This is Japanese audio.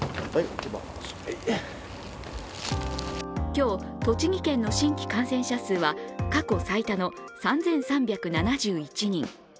今日、栃木県の新規感染者数は過去最多の３３７１人。